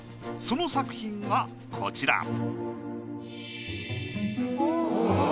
その作品がこちら。